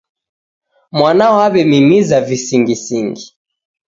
Mwana w'aw'emimiza visingisingi